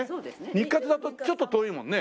日活だとちょっと遠いもんね。